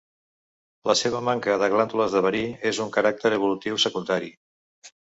La seva manca de glàndules de verí és un caràcter evolutiu secundari.